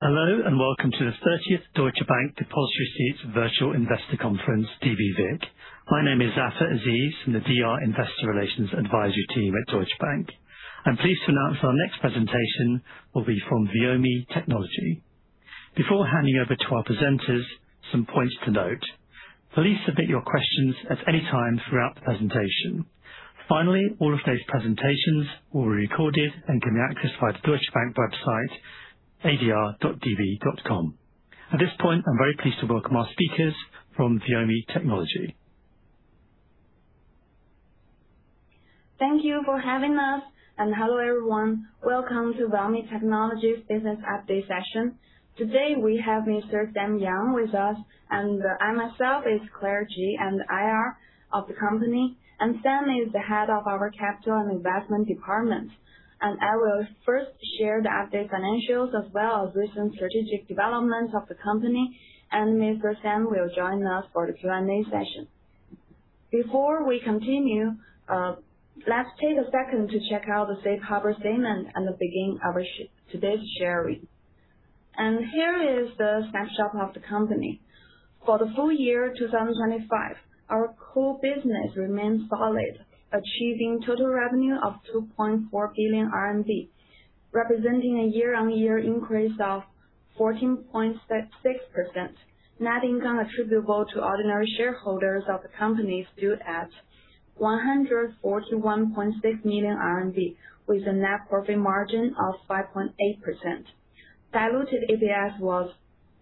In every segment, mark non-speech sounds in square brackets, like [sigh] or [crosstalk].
Hello, welcome to the 30th Deutsche Bank Depositary Receipts Virtual Investor Conference, DBVIC. My name is Zafar Aziz from the DR Investor Relations Advisory Team at Deutsche Bank. I am pleased to announce our next presentation will be from Viomi Technology. Before handing over to our presenters, some points to note. Please submit your questions at any time throughout the presentation. Finally, all of today's presentations will be recorded and can be accessed via Deutsche Bank website, adr.db.com. At this point, I am very pleased to welcome our speakers from Viomi Technology. Thank you for having us. Hello everyone. Welcome to Viomi Technology business update session. Today, we have Mr. Sam Yang with us. I myself is Claire Ji, IR of the company. Sam is the Head of our Capital and Investment Department. I will first share the update financials as well as recent strategic developments of the company. Mr. Sam will join us for the Q&A session. Before we continue, let's take a second to check out the safe harbor statement at the beginning of today's sharing. Here is the snapshot of the company. For the full year 2025, our core business remained solid, achieving total revenue of 2.4 billion RMB, representing a year-over-year increase of 14.6%. Net income attributable to ordinary shareholders of the company stood at 141.6 million RMB, with a net profit margin of 5.8%. Diluted ADS was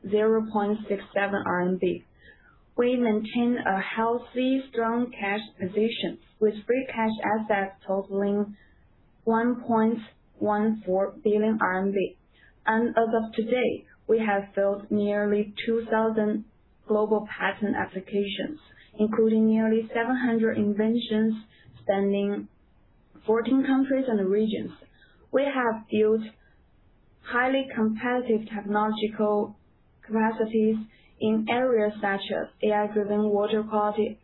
0.67 RMB. We maintain a healthy, strong cash position, with free cash assets totaling 1.14 billion RMB. As of today, we have built nearly 2,000 global patent applications, including nearly 700 inventions spanning 14 countries and regions. We have built highly competitive technological capacities in areas such as AI-driven water quality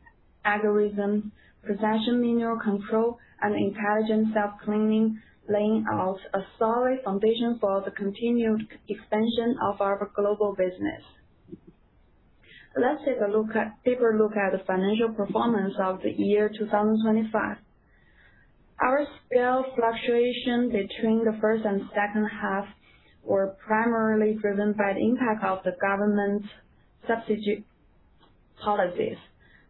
algorithms, precision mineral control, and intelligent self-cleaning, laying out a solid foundation for the continued expansion of our global business. Let's take a deeper look at the financial performance of the year 2025. Our sales fluctuation between the first and second half were primarily driven by the impact of the government's substitute policies,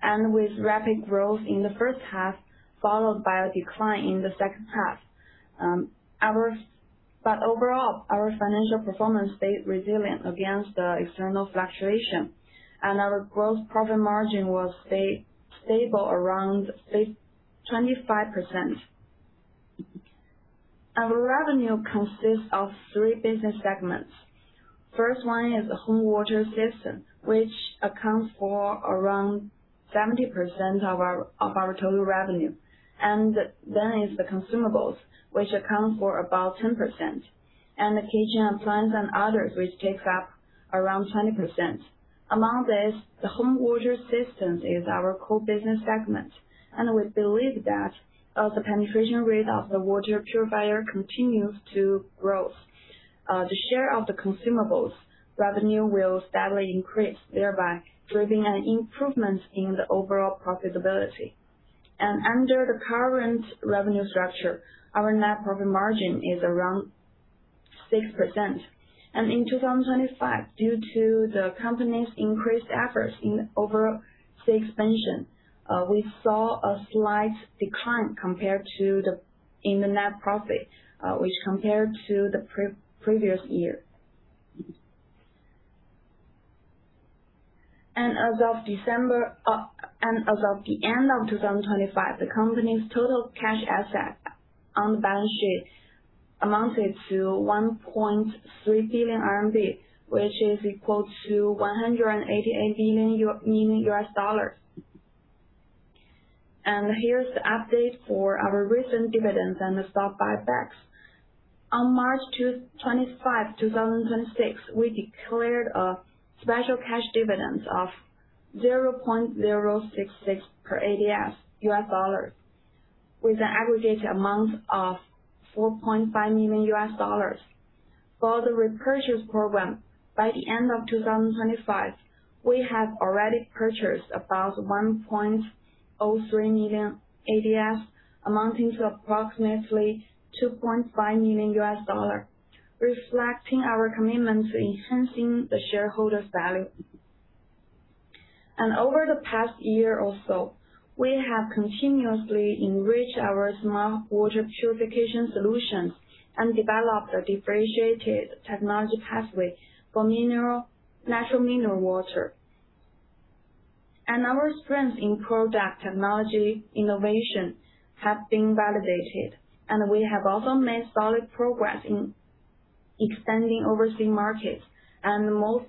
and with rapid growth in the first half, followed by a decline in the second half. Overall, our financial performance stayed resilient against the external fluctuation, and our gross profit margin will stay stable around 25%. Our revenue consists of three business segments. First one is the home water system, which accounts for around 70% of our, of our total revenue. Then is the consumables, which accounts for about 10%. The kitchen appliance and others, which takes up around 20%. Among this, the home water systems is our core business segment. We believe that as the penetration rate of the water purifier continues to growth, the share of the consumables revenue will steadily increase, thereby driving an improvement in the overall profitability. Under the current revenue structure, our net profit margin is around 6%. In 2025, due to the company's increased efforts in overall expansion, we saw a slight decline in the net profit, which compared to the pre-previous year. As of December, as of the end of 2025, the company's total cash assets on the balance sheet amounted to 1.3 billion RMB, which is equal to $188 million U.S. dollars. Here's the update for our recent dividends and the stock buybacks. On March 2, 2026, we declared a special cash dividend of $0.066 per ADS, with an aggregate amount of $4.5 million. For the repurchase program, by the end of 2025, we have already purchased about 1.03 million ADS, amounting to approximately $2.5 million, reflecting our commitment to enhancing the shareholder's value. Over the past year or so, we have continuously enriched our smart water purification solutions and developed a differentiated technology pathway for natural mineral water. Our strength in product technology innovation have been validated, and we have also made solid progress in extending overseas markets. Most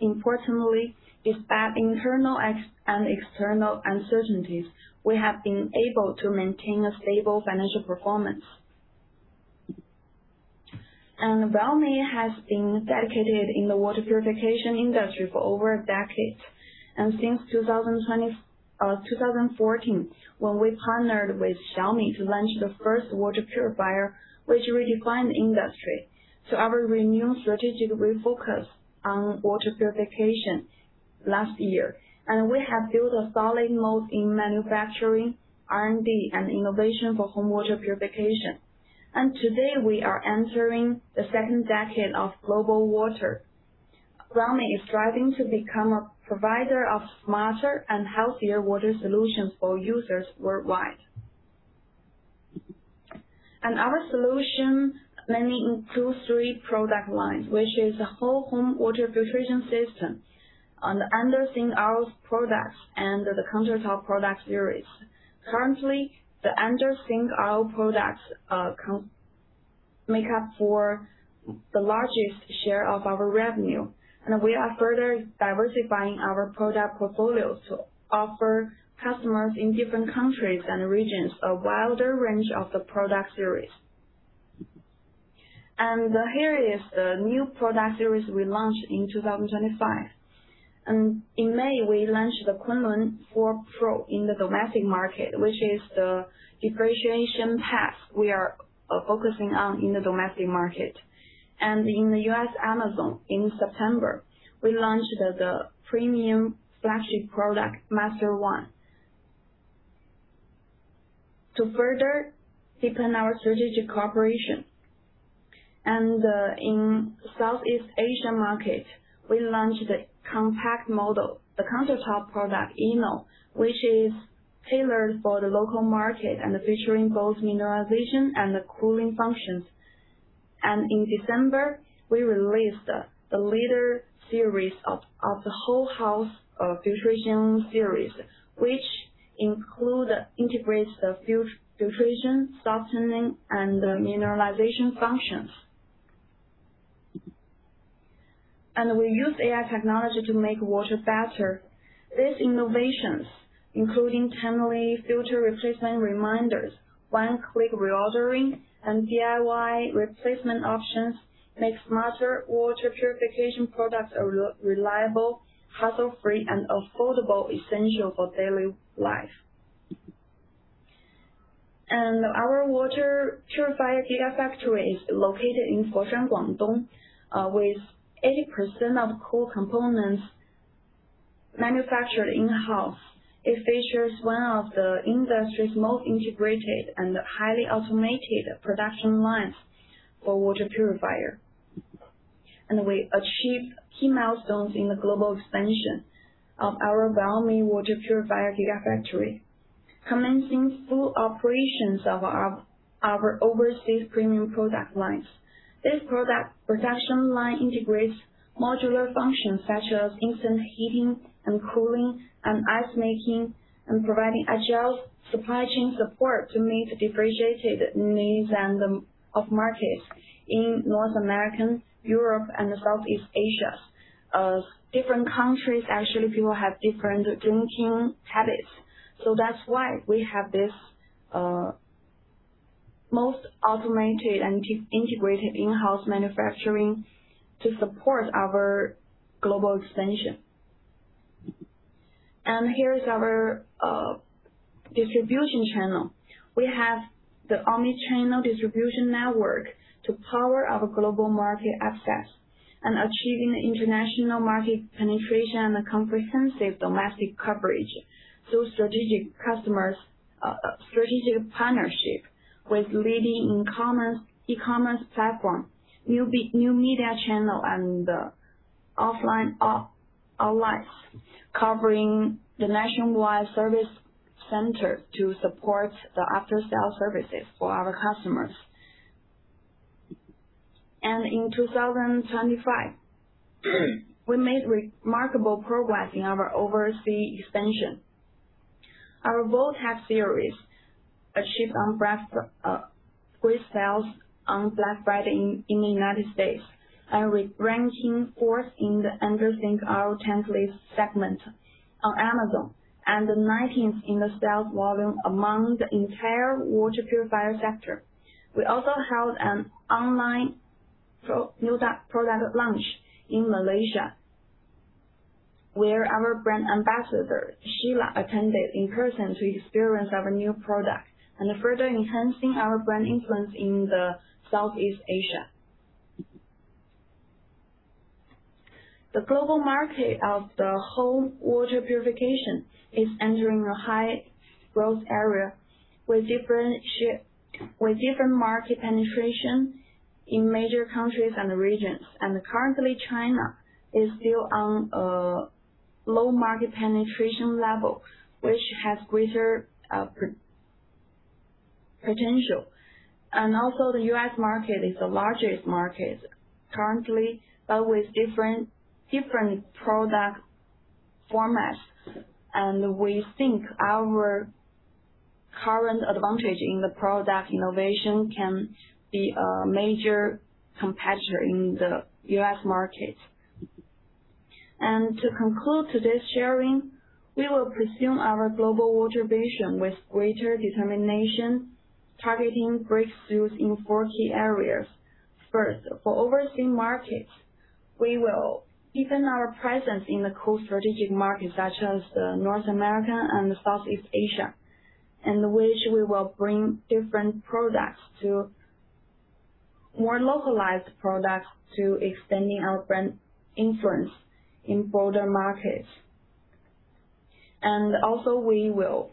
importantly, despite internal and external uncertainties, we have been able to maintain a stable financial performance. Viomi has been dedicated in the water purification industry for over a decade. Since 2014, when we partnered with Xiaomi to launch the first water purifier, which redefined the industry. Our renewed strategic refocus on water purification last year. We have built a solid moat in manufacturing, R&D, and innovation for home water purification. Today, we are entering the second decade of global water. Viomi is striving to become a provider of smarter and healthier water solutions for users worldwide. Our solution mainly includes 3 product lines, which is the whole house water filtration system, and the under-sink RO products, and the countertop product series. Currently, the under-sink RO products make up for the largest share of our revenue. We are further diversifying our product portfolio to offer customers in different countries and regions a wider range of the product series. Here is the new product series we launched in 2025. In May, we launched the Kunlun 4 Pro in the domestic market, which is the differentiation path we are focusing on in the domestic market. In the U.S. Amazon, in September, we launched the premium flagship product, MASTER M1. To further deepen our strategic cooperation in Southeast Asia market, we launched the compact model, the countertop product, inno, which is tailored for the local market and featuring both mineralization and the cooling functions. In December, we released the leader series of the whole house filtration series. Which include integrates the filtration, softening, and mineralization functions. We use AI technology to make water better. These innovations, including timely filter replacement reminders, one-click reordering, and DIY replacement options, make smarter water purification products a reliable, hassle-free, and affordable essential for daily life. Our water purifier Gigafactory is located in Foshan, Guangdong, with 80% of core components manufactured in-house. It features one of the industry's most integrated and highly automated production lines for water purifier. We achieve key milestones in the global expansion of our Viomi Water Purifier Gigafactory, commencing full operations of our overseas premium product lines. This product production line integrates modular functions such as instant heating and cooling and ice making and providing agile supply chain support to meet the differentiated needs of markets in North America, Europe, and Southeast Asia. Different countries, actually, people have different drinking habits. That's why we have this most automated and integrated in-house manufacturing to support our global expansion. Here is our distribution channel. We have the omnichannel distribution network to power our global market access and achieving international market penetration and comprehensive domestic coverage through strategic partnership with leading e-commerce platform, new media channel, and offline outlets covering the nationwide service center to support the after-sale services for our customers. In 2025, we made remarkable progress in our overseas expansion. Our Vortex series achieved a breakthrough with sales on Black Friday in the U.S., and ranking 4th in the under-sink RO tankless segment on Amazon, and 19th in the sales volume among the entire water purifier sector. We also held an online new product launch in Malaysia, where our brand ambassador, Sheila, attended in person to experience our new product and further enhancing our brand influence in Southeast Asia. The global market of the home water purification is entering a high growth area with different market penetration in major countries and regions. Currently, China is still on a low market penetration level, which has greater potential. Also, the U.S. market is the largest market currently, but with different product formats. We think our current advantage in the product innovation can be a major competitor in the U.S. market. To conclude today's sharing, we will pursue our global water vision with greater determination, targeting breakthroughs in four key areas. First, for overseas markets, we will deepen our presence in the core strategic markets such as North America and Southeast Asia, which we will bring different products to, more localized products to extending our brand influence in broader markets. Also, we will,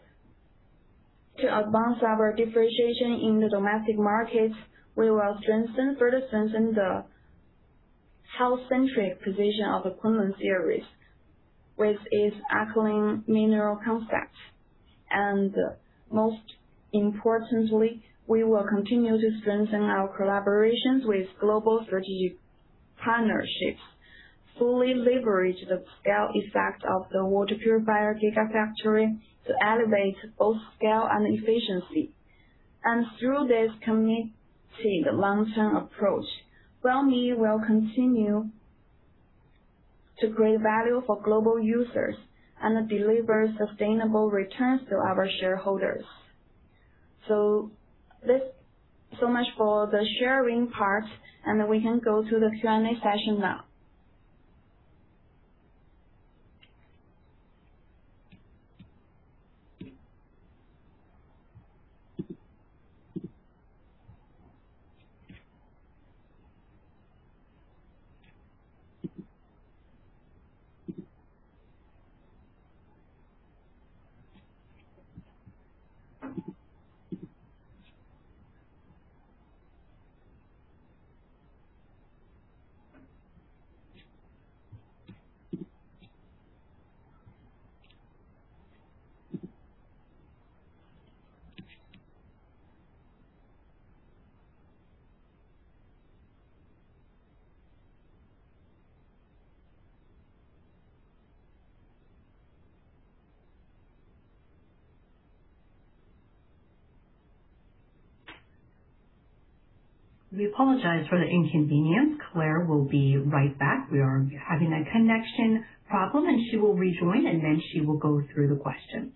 to advance our differentiation in the domestic markets, we will further strengthen the health-centric position of the Kunlun series with its alkaline mineral concept. Most importantly, we will continue to strengthen our collaborations with global strategic partnerships, fully leverage the scale effect of the water purifier Gigafactory to elevate both scale and efficiency. Through this committed long-term approach, Viomi will continue to create value for global users and deliver sustainable returns to our shareholders. This so much for the sharing part, we can go to the Q&A session now. We apologize for the inconvenience. Claire will be right back. We are having a connection problem, and she will rejoin, and then she will go through the questions.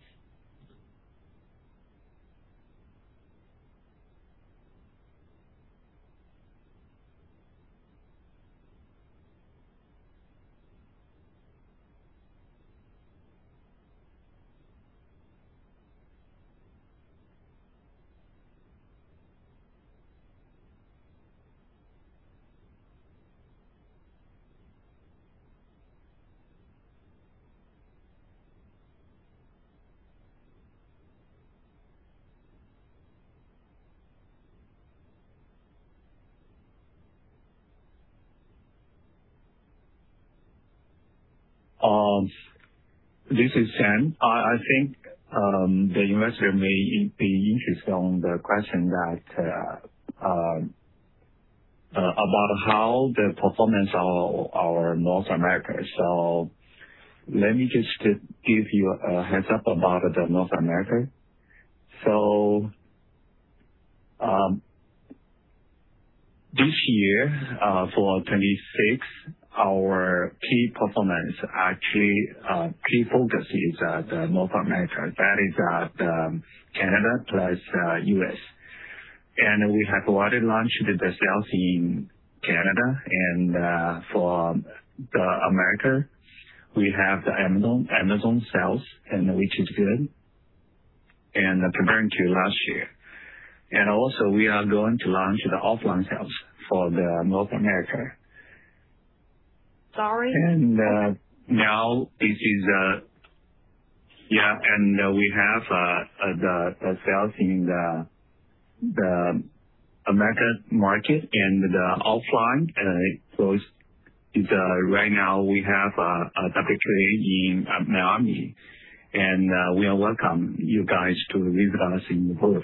This is Sam. I think the investor may be interested on the question that about how the performance of our North America. Let me just give you a heads up about the North America. This year, for 26, our key performance actually, key focus is at the North America. That is at Canada plus U.S. We have already launched the sales in Canada and for the U.S., we have the Amazon sales and which is good and comparing to last year. Also we are going to launch the offline sales for the North America. Sorry. Yeah, we have the sales in the U.S. market and the offline, so it's right now we have a laboratory in Miami, and we welcome you guys to visit us in both.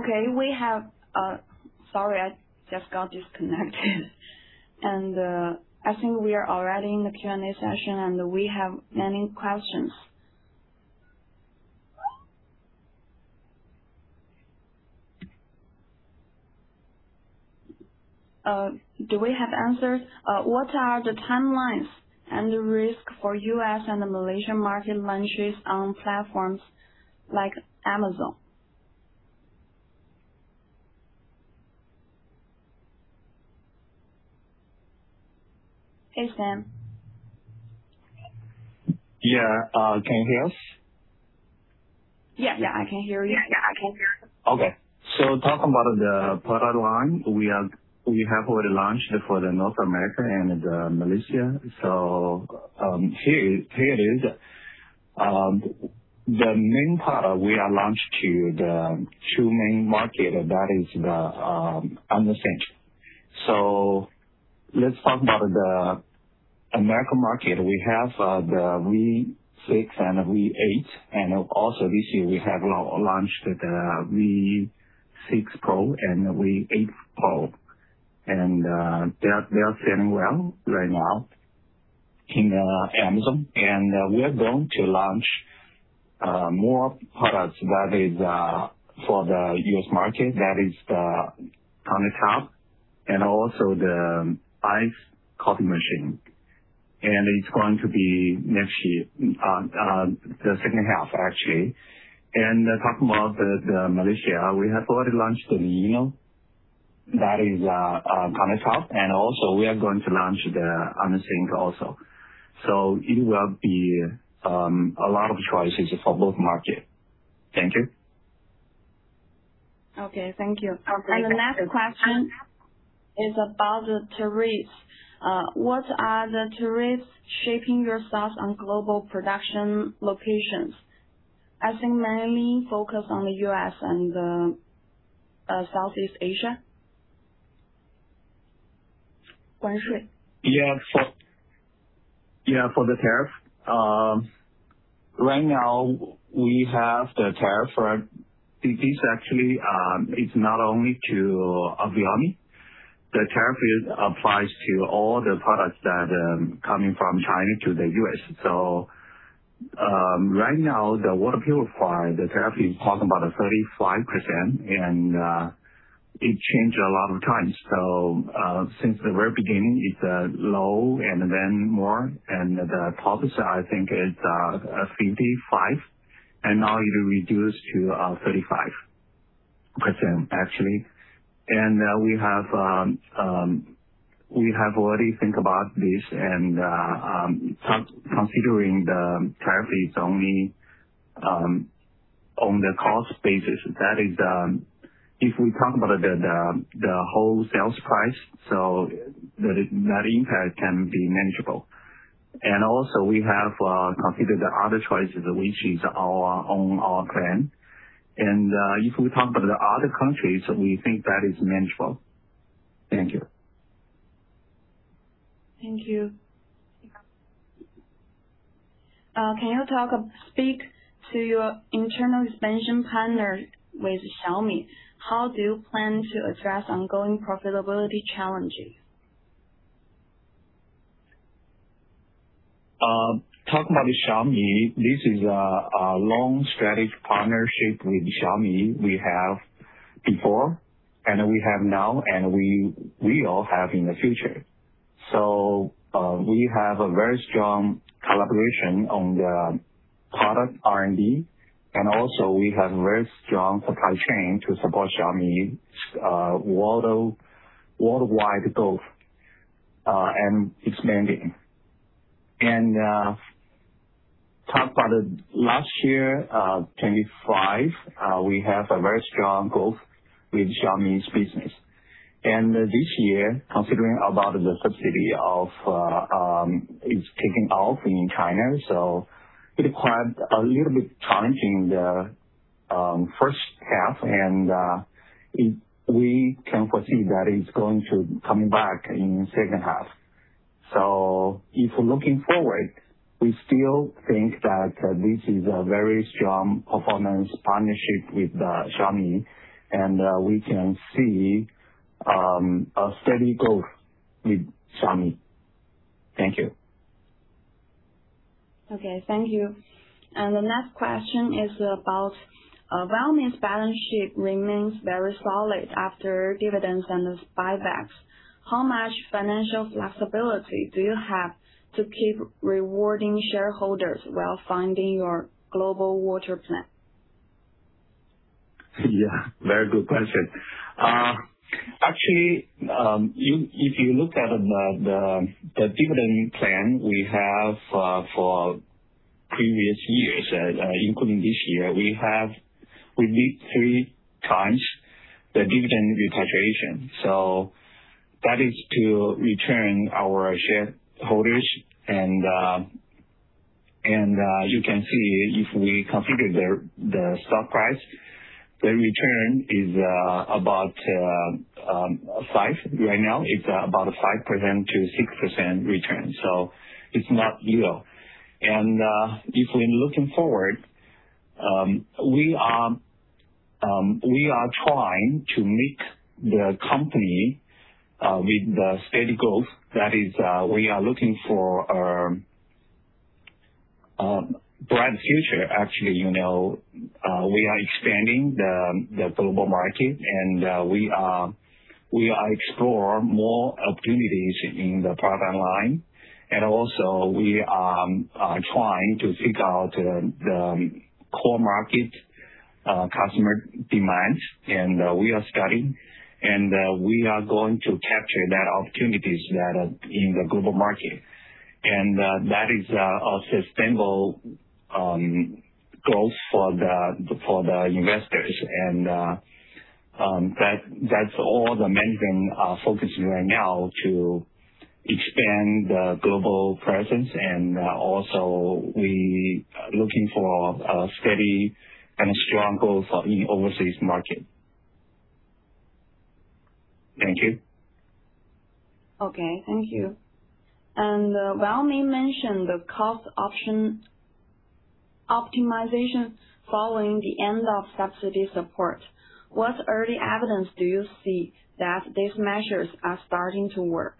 Okay. Sorry, I just got disconnected. I think we are already in the Q&A session, and we have many questions. Do we have answers? What are the timelines and the risk for U.S. and the Malaysian market launches on platforms like Amazon? Hey, Sam. Yeah. Can you hear us? Yeah, I can hear you. Yeah, I can hear you. Okay. Talking about the product line, we have already launched for North America and Malaysia. Here it is. The main product we are launched to the two main markets, that is the under-sink. Let's talk about the U.S. market. We have the V6 and V8, and also this year we have launched the V6 Pro and V8 Pro. They are selling well right now in Amazon. We are going to launch more products that is for the U.S. market, that is the countertop and also the ice coffee machine. It's going to be next year, the second half actually. Talking about the Malaysia, we have already launched the inno. That is countertop. Also we are going to launch the under-sink also. It will be a lot of choices for both market. Thank you. Okay. Thank you. The next question is about the tariffs. What are the tariffs shaping your thoughts on global production locations? I think mainly focused on the U.S. and Southeast Asia. [inaudible] Yeah. For the tariff. Right now we have the tariff, right? It is actually, it's not only to A. O. Smith. The tariff is applies to all the products that, coming from China to the U.S. Right now, the water purifier, the tariff is talking about a 35%, and it changed a lot of times. Since the very beginning, it's low and then more, and the policy, I think it's 55, and now it reduced to 35%, actually. We have, we have already think about this and, considering the tariff is only on the cost basis. That is, if we talk about the whole sales price, that is, that impact can be manageable. Also we have considered the other choices which is our own brand. If we talk about the other countries, we think that is manageable. Thank you. Thank you. Can you speak to your internal expansion partner with Xiaomi? How do you plan to address ongoing profitability challenges? Talking about Xiaomi, this is a long strategy partnership with Xiaomi we have before and we have now, and we all have in the future. We have a very strong collaboration on the product R&D, and also we have very strong supply chain to support Xiaomi's worldwide growth and expanding. Talk about last year, 2025, we have a very strong growth with Xiaomi's business. This year, considering about the subsidy of is kicking off in China, it required a little bit challenging the first half and we can foresee that it's going to come back in second half. If looking forward, we still think that this is a very strong performance partnership with Xiaomi, we can see a steady growth with Xiaomi. Thank you. Okay. Thank you. The next question is about Viomi's balance sheet remains very solid after dividends and buybacks. How much financial flexibility do you have to keep rewarding shareholders while funding your global water plan? Yeah. Very good question. Actually, if you look at the dividend plan we have for previous years, including this year, we have released three times the dividend repatriation. That is to return our shareholders. You can see if we consider the stock price, the return is about five right now. It's about a 5% to 6% return. It's not 0. If we're looking forward, we are trying to make the company with the steady growth. That is, we are looking for bright future, actually, you know. We are expanding the global market and we are explore more opportunities in the product line. We are trying to seek out the core market customer demands. We are studying, we are going to capture that opportunities that are in the global market. That is a sustainable growth for the investors. That's all the main thing are focusing right now to expand the global presence, also we are looking for a steady and strong growth in overseas market. Thank you. Okay. Thank you. Viomi mentioned the cost option optimization following the end of subsidy support. What early evidence do you see that these measures are starting to work?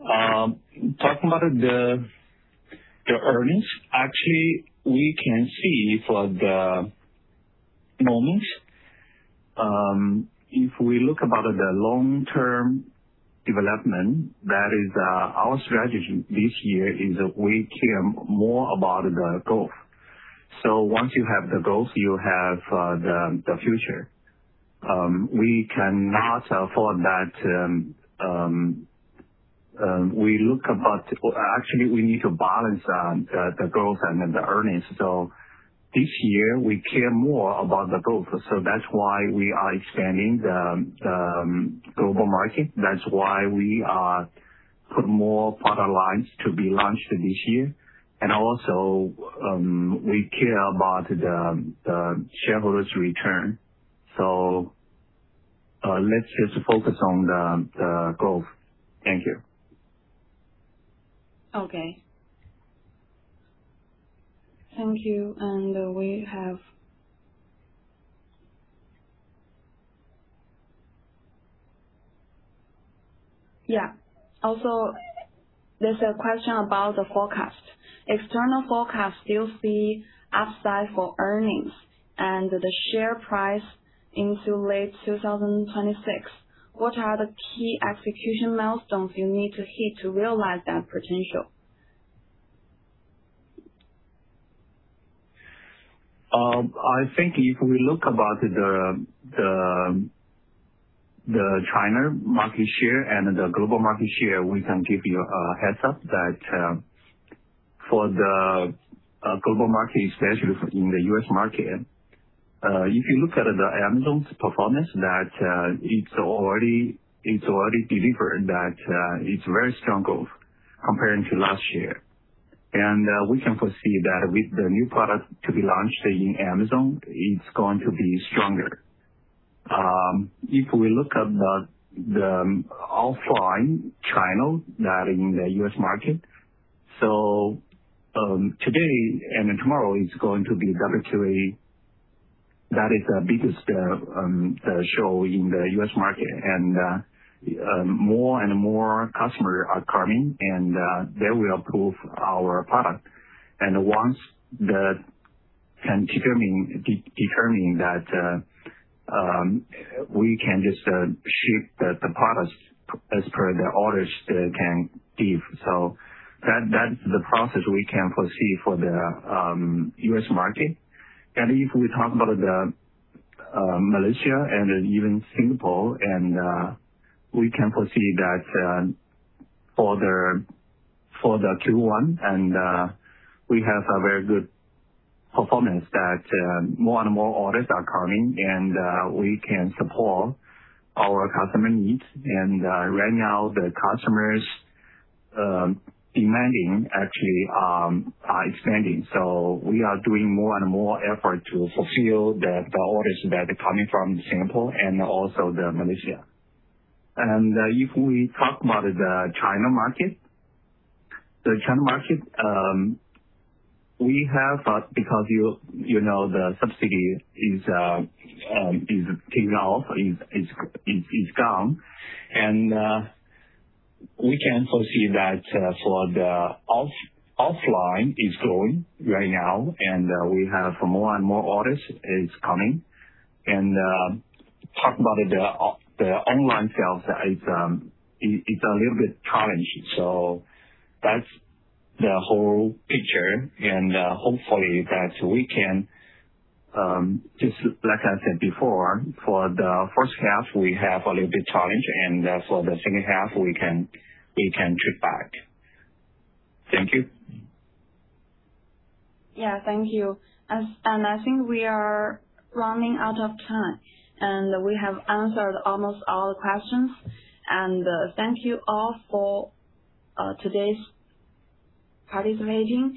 Talking about the earnings. Actually, we can see for the moments, if we look about the long-term development, that is, our strategy this year is that we care more about the growth. Once you have the growth, you have the future. We cannot afford that. Actually, we need to balance the growth and then the earnings. This year, we care more about the growth. That's why we are expanding the global market. That's why we are put more product lines to be launched this year. Also, we care about the shareholders' return. Let's just focus on the growth. Thank you. Okay. Thank you. Yeah. There's a question about the forecast. External forecast still see upside for earnings and the share price into late 2026. What are the key execution milestones you need to hit to realize that potential? I think if we look about the, the China market share and the global market share, we can give you a heads up that, for the global market, especially for in the U.S. market, if you look at the Amazon's performance that, it's already delivered that, it's very strong growth comparing to last year. We can foresee that with the new product to be launched in Amazon, it's going to be stronger. If we look at the offline channel that in the U.S. market, today and tomorrow is going to be WQA. That is the biggest, the show in the U.S. market. More and more customer are coming, they will prove our product. And once continuing determining that we can just ship the products as per the orders they can give. That's the process we can foresee for the U.S. market. If we talk about Malaysia and even Singapore, we can foresee that for the Q1, we have a very good performance that more and more orders are coming, and we can support our customer needs. Right now, the customers demanding actually are expanding. We are doing more and more effort to fulfill the orders that are coming from Singapore and also the Malaysia. If we talk about the China market. The China market, we have, because you know, the subsidy is taken off, is gone. We can foresee that for the off-offline is growing right now. We have more and more orders is coming. Talking about the online sales, it's a little bit challenging. That's the whole picture. Hopefully that we can, just like I said before, for the first half, we have a little bit challenge. For the second half we can trip back. Thank you. Thank you. I think we are running out of time, and we have answered almost all the questions. Thank you all for today's participation.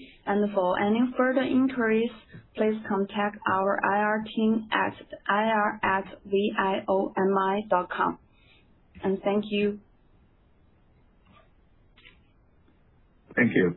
For any further inquiries, please contact our IR team at ir@viomi.com. Thank you. Thank you.